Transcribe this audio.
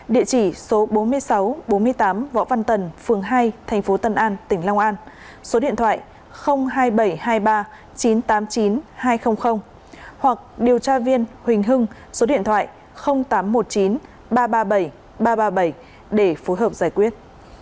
địa chỉ số bốn mươi sáu bốn mươi tám võ văn tần phường hai thành phố tân an tỉnh long an số điện thoại hai nghìn bảy trăm hai mươi ba chín trăm tám mươi chín hai trăm linh hoặc điều tra viên huỳnh hưng số điện thoại tám trăm một mươi chín ba trăm ba mươi bảy ba trăm ba mươi bảy để phối hợp giải quyết